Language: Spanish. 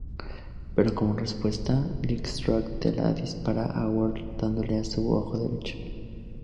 Pero como respuesta, Deathstroke le dispara a Warlord dándole a su ojo derecho.